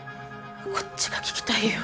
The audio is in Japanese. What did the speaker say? こっちが聞きたいよ。